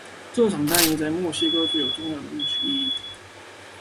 这场战役在墨西哥具有重要的历史意义。